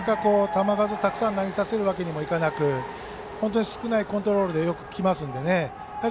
なかなか球数をたくさん投げさせるわけにもいかず本当に少ないコントロールでよくきますんで。